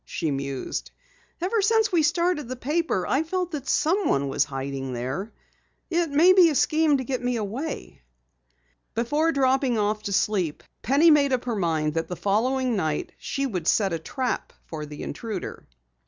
she mused. "Ever since we started the paper I've felt that someone was hiding there. It may be a scheme to get me away." Before dropping off to sleep Penny made up her mind that the following night she would set a trap for the intruder.